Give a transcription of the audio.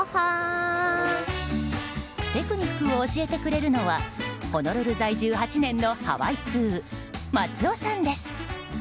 テクニックを教えてくれるのはホノルル在住８年のハワイ通松尾さんです。